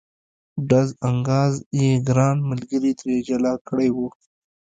ډز انګاز یې ګران ملګري ترې جلا کړی و.